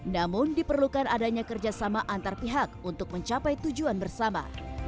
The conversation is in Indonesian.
namun diperlukan adanya kerjasama antar pihak untuk mencapai tujuan bersama